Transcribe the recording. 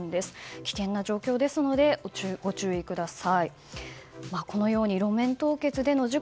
危険な状況ですのでご注意ください。